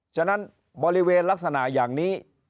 ฉะนั้นบริเวณลักษณะอย่างนี้